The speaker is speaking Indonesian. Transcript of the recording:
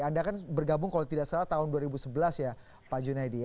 anda kan bergabung kalau tidak salah tahun dua ribu sebelas ya pak junaidi